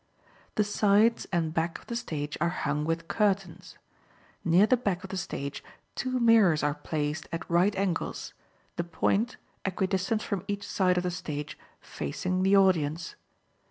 The sides and back of the stage are hung with curtains. Near the back of the stage two mirrors are placed at right angles, the point, equi distant from each side of the stage, facing the audience.